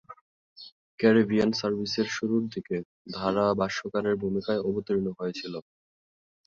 Caribbean সার্ভিসের শুরুরদিকে ধারাভাষ্যকারের ভূমিকায় অবতীর্ণ হয়েছিলেন।